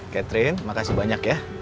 catherine makasih banyak